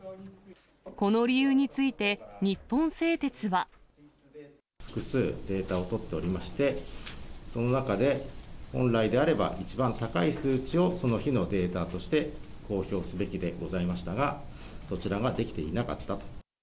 この理由について、複数データを取っておりまして、その中で、本来であれば一番高い数値を、その日のデータとして、公表すべきでございましたが、そちらができていなかったと。